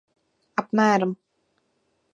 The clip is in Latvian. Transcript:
Apmēram.